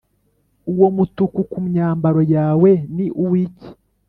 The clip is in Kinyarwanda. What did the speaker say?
uwo mutuku ku myambaro yawe ni uw’iki,